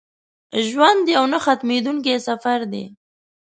ژوند یو نه ختمېدونکی سفر دی.